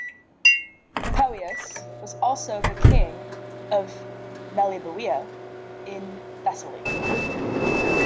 Poeas was also the king of Meliboea in Thessaly.